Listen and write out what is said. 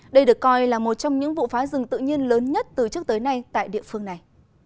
đây được coi là một trong những vụ phá rừng tự nhiên lớn nhất từ trước tới nay tại địa phương này